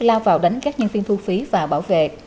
lao vào đánh các nhân viên thu phí và bảo vệ